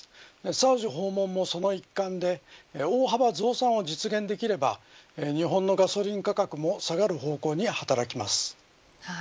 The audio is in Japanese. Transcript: サウジ訪問もその一環で大幅増産を実現できれば日本のガソリン価格も下がる方向に働きます。